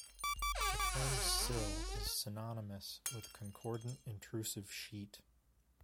The term "sill" is synonymous with "concordant intrusive sheet".